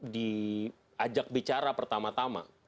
diajak bicara pertama tama